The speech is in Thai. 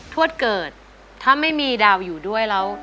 ทวดเกิดถ้าไม่มีดาวอยู่ด้วยแล้ว